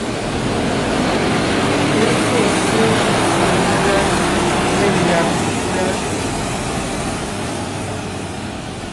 E gÿo ssé saŋ pʉ́a né ngàb pʉ́a.